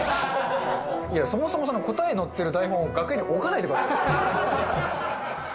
いやそもそもその答え載ってる台本を楽屋に置かないでください。